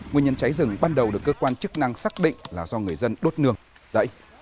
nguyên nhân cháy rừng ban đầu được cơ quan chức năng xác định là do người dân đốt nương rẫy